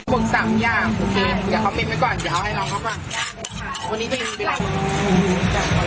คนสั่งอย่างโอเคเดี๋ยวคอมเมนไว้ก่อนเดี๋ยวเอาให้เราเข้ามา